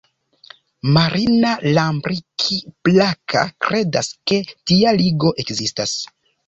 Marina Lambraki-Plaka kredas ke tia ligo ekzistas.